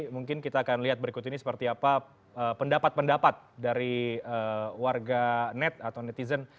mungkin kita akan lihat berikut ini seperti apa pendapat pendapat dari warga net atau netizen